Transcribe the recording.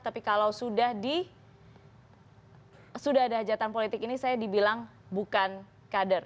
tapi kalau sudah ada hajatan politik ini saya dibilang bukan kader